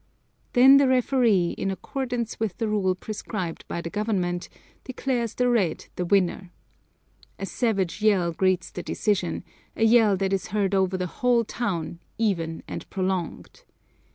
Then the referee, in accordance with the rule prescribed by the government, declares the red the winner. A savage yell greets the decision, a yell that is heard over the whole town, even and prolonged.